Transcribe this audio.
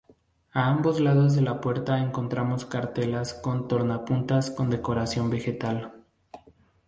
A ambos lados de la puerta encontramos cartelas con tornapuntas con decoración vegetal.